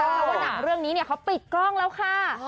เพราะว่าหนังเรื่องนี้เขาปิดกล้องแล้วค่ะ